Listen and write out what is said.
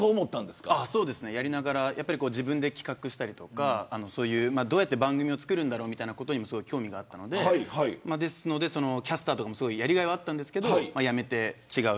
やりながら自分で企画したりどういった番組を作るのかというのにも興味があったのでキャスターもやりがいはあったんですけど辞めて。